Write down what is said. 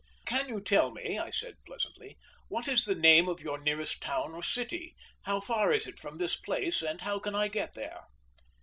"Can you tell me," I said pleasantly, "what is the name of your nearest town or city? how far it is from this place, and how I can get there?"